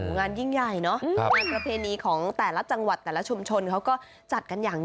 งานยิ่งใหญ่เนอะในประเพณีของแต่ละจังหวัดแต่ละชุมชนเขาก็จัดกันอย่าง